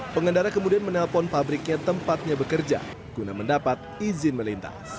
pengendara kemudian menelpon pabriknya tempatnya bekerja guna mendapat izin melintas